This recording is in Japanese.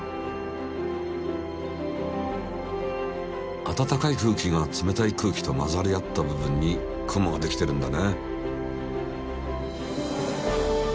あたたかい空気が冷たい空気と混ざり合った部分に雲ができてるんだね。